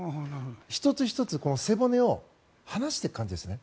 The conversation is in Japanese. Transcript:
１つ１つ背骨を離していく感じですね。